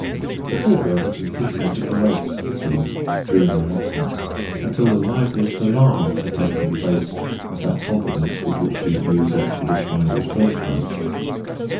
The poor girl had been thinking of little else, it seemed, during our absence, until the liveliest alarm had taken the place of that confidence with which she had viewed the expedition when it was first broached.